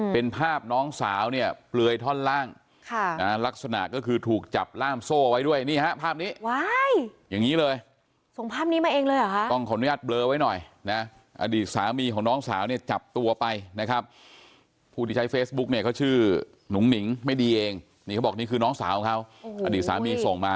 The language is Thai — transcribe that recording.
เป็นภาพน้องสาวเนี่ยเปลือยท่อนล่างลักษณะก็คือถูกจับล่ามโซ่ไว้ด้วยนี่ฮะภาพนี้